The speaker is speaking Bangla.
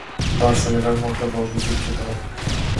দশ সেকেন্ডের মধ্যে বগি বিচ্যুত হবে!